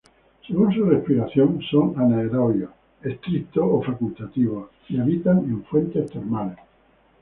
Según su respiración son anaerobios estrictos o facultativos y habitan en fuentes termales.